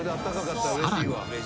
［さらに］